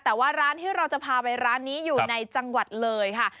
แต่ว่าร้านที่เราจะพาไปร้านนี้อยู่ในจังหวัดเลยค่ะ